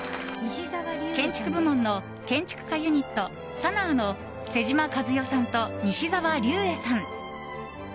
建築部門の建築家ユニットＳＡＮＡＡの妹島和世さんと西沢立衛さん。